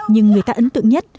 nhưng người ta ấn tượng nhất